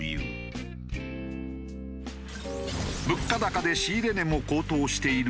物価高で仕入れ値も高騰している